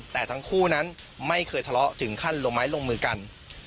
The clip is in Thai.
แต่ทั้งคู่นั้นไม่เคยทะเลาะถึงขั้นลงไม้ลงมือกัน